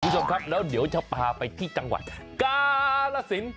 คุณผู้ชมครับแล้วเดี๋ยวจะพาไปที่จังหวัดกาลสิน